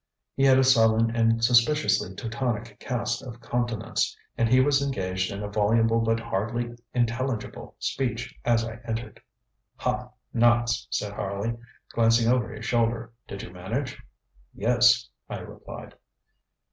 He had a sullen and suspiciously Teutonic cast of countenance, and he was engaged in a voluble but hardly intelligible speech as I entered. ŌĆ£Ha, Knox! ŌĆØ said Harley, glancing over his shoulder, ŌĆ£did you manage? ŌĆØ ŌĆ£Yes, ŌĆØ I replied.